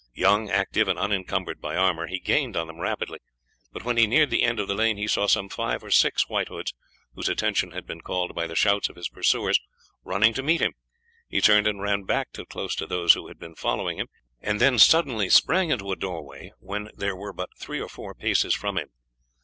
Young, active, and unencumbered by armour, he gained on them rapidly; but when he neared the end of the lane he saw some five or six White Hoods, whose attention had been called by the shouts of his pursuers, running to meet him. He turned and ran back till close to those who had been following him, and then suddenly sprung into a doorway when they were but three or four paces from him.